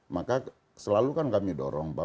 maka selalu kan kami dorong